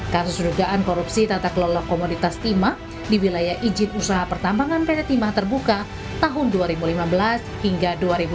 kasus dugaan korupsi tata kelola komoditas timah di wilayah izin usaha pertambangan pt timah terbuka tahun dua ribu lima belas hingga dua ribu dua puluh